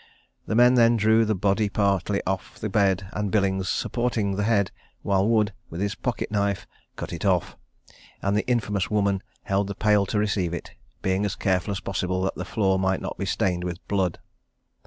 The men then drew the body partly off the bed, and Billings supported the head, while Wood, with his pocket knife, cut it off, and the infamous woman held the pail to receive it, being as careful as possible that the floor might not be stained with the blood.